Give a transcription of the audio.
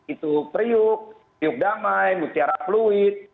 itu priuk priuk damai lutiara fluid